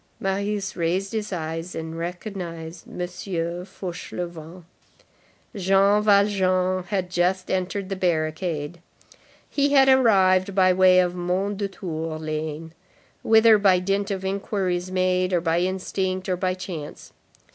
Marius raised his eyes and recognized M. Fauchelevent. Jean Valjean had just entered the barricade. He had arrived by way of Mondétour lane, whither by dint of inquiries made, or by instinct, or chance.